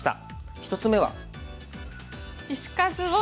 １つ目は。